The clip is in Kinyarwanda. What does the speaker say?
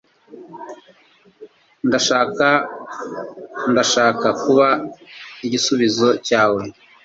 Ndashaka Ndashaka kuba igisubizo cyawe